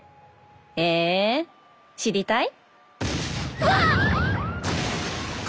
え知りたい？うわ！